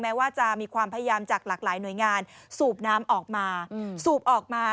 ว่าจะมีความพยายามจากหลากหลายหน่วยงานสูบน้ำออกมาสูบออกมา